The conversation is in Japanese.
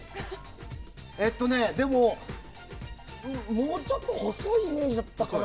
でも、もうちょっと細いイメージだったかな。